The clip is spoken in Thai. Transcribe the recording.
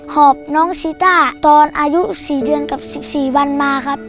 อบน้องซีต้าตอนอายุ๔เดือนกับ๑๔วันมาครับ